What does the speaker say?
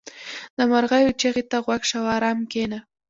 • د مرغیو چغې ته غوږ شه او آرام کښېنه.